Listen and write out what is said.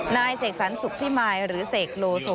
เสกสรรสุขพิมายหรือเสกโลโซ